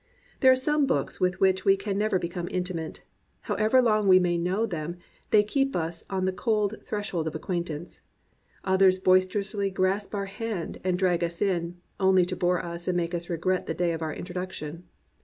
There are some books with which we can never become intimate. However long we may know them they keep us on the cold threshold of acquaint ance. Others boisterously grasp our hand and drag us in, only to bore us and make us regret the day of our introduction.